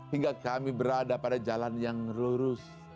hingga kami berada pada jalan yang lurus